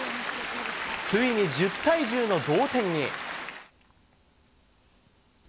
ついに１０対１０の同点に。